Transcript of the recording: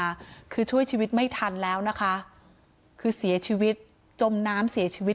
ค่ะคือช่วยชีวิตไม่ทันแล้วนะคะคือเสียชีวิตจมน้ำเสียชีวิต